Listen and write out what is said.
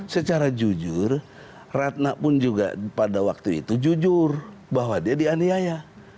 secara jujur ratna pun juga pada waktu itu jujur bahwa dia dianiaya